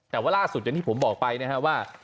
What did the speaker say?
แต่ว่าล่าสุดอย่างที่ผมบอกไปนะครับว่า